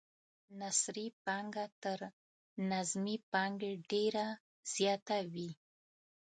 نثري پانګه تر نظمي پانګې ډیره زیاته وي.